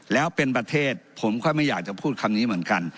แล้วเป็นประเทศผมก็ไม่อยากจะพูดคำนี้เหมือนกัน